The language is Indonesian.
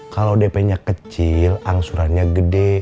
kalau dp nya kecil angsurannya gede